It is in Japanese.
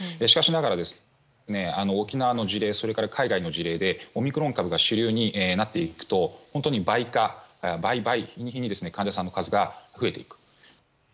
しかしながら、沖縄の事例それから海外の事例でオミクロン株が主流になっていくと本当に倍化、倍々と日に日に患者さんの数が増えていく。